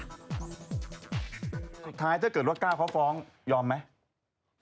สุดท้ายถ้าเกิดว่าก้าวเขาฟ้องยอมไหม